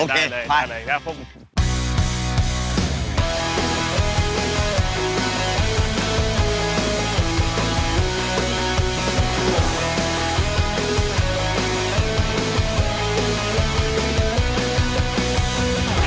ได้เลยครับผม